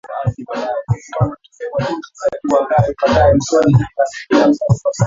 watafiti walihitaji kuepuka utata kuhusu maana inayolengwa